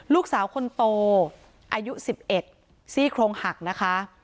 ลูกสาวคนโตอายุสิบเอ็กซ์ซี่โครงหักนะคะ